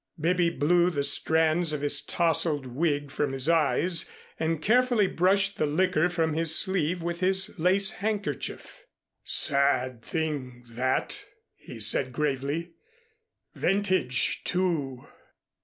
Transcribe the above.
Bibby blew the strands of his tousled wig from his eyes and carefully brushed the liquor from his sleeve with his lace handkerchief. "Sad thing, that," he said gravely, "vintage, too."